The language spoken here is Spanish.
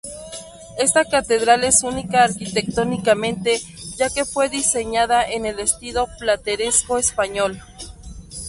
Esta catedral es única arquitectónicamente ya que fue diseñada en el estilo plateresco español.